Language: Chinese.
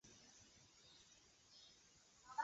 贵州卵叶报春为报春花科报春花属下的一个种。